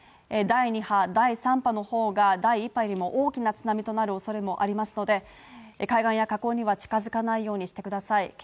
第２波、第３波の方が第一波よりも大きな津波となるおそれもありますので海岸や河口には近づかないようにしてください